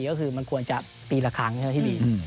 ก็คือมันควรจะปีละครั้งที่ดี